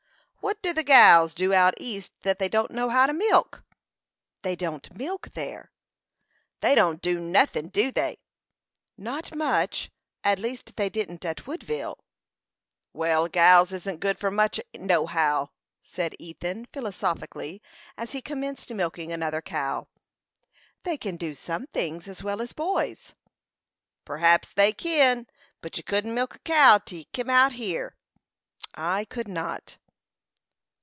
"What do the gals do out east that they don't know how to milk?" "They don't milk there." "They don't do nothin' do they?" "Not much; at least, they didn't at Woodville." "Well, gals isn't good for much, nohow," said Ethan, philosophically, as he commenced milking another cow. "They can do some things as well as boys." "Perhaps they kin; but you couldn't milk a cow till you kim out hyer." "I could not."